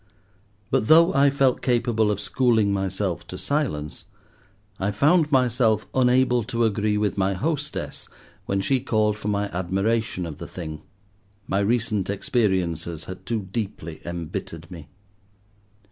But though I felt capable of schooling myself to silence, I found myself unable to agree with my hostess when she called for my admiration of the thing. My recent experiences had too deeply embittered me.